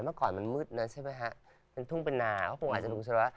เมื่อก่อนมันมืดนะใช่ไหมฮะเป็นทุ่งเป็นนาเขาคงอาจจะดูใช่ไหม